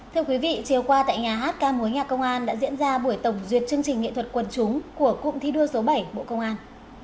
thưa quý vị chiều qua tại nhà hát ca mối nhạc công an đã diễn ra buổi tổng duyệt chương trình nghệ thuật quần chúng của cụm thi đua số bảy bộ công an